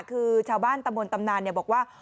คือชาวบ้านตำบลตำนานบอกว่า